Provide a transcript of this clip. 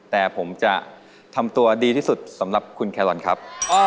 แต่ผมจะทำตัวดีที่สุดสำหรับคุณแครอนครับ